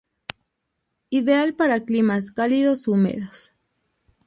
Ideal para climas cálidos húmedos..